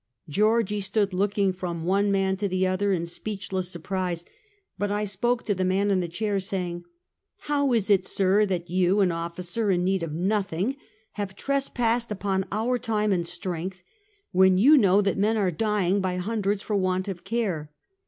Georgie stood looking from one man to the other in speechless surprise; but I spoke to the man in the chair, saying :" How is it, sir, that j^ou, an officer, in need of nothing, have trespassed upon our time and strength, when you know that men are dying by hundreds for want of care?"